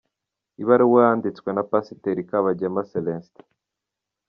Ibaruwa yanditswe na Pasiteri Kabagema Celestin.